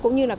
cũng như là